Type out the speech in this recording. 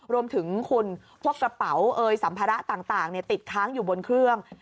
รวมถึงคุณพวกกระเป๋าเอยสัมภาระต่างติดค้างอยู่บนเครื่อง